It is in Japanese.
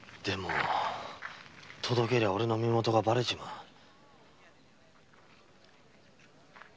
でも届けりゃおれの身元がバレちまう。